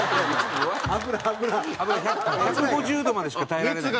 １５０度までしか耐えられない。